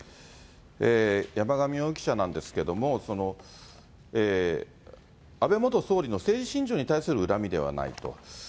山上容疑者なんですけども、安倍元総理の政治信条に対する恨みではないと。